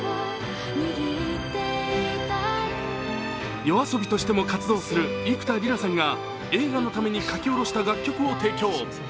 ＹＯＡＳＯＢＩとしても活動する幾田りらさんが映画のために書き下ろした楽曲を提供。